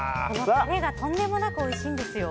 タレがとんでもなくおいしいんですよ。